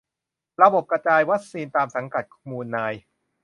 ระบบกระจายวัคซีนตามสังกัดมูลนาย